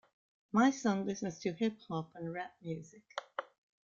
My son listens to hip-hop and rap music.